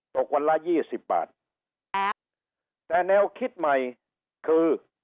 ตกวันละยี่สิบบาทแต่แนวคิดใหม่คือ